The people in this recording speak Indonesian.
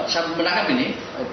saat pemerintah ini